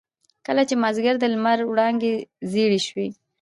کله چې مازيګر د لمر وړانګې زيړې شوې.